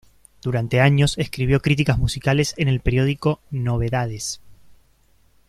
Durante años escribió críticas musicales en el periódico "Novedades".